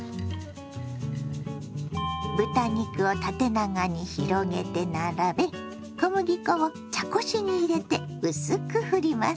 豚肉を縦長に広げて並べ小麦粉を茶こしに入れて薄くふります。